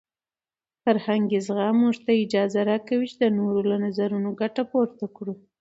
فرهنګي زغم موږ ته اجازه راکوي چې د نورو له نظرونو ګټه پورته کړو.